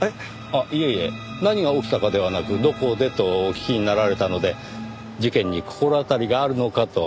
あっいえいえ何が起きたかではなくどこでとお聞きになられたので事件に心当たりがあるのかと。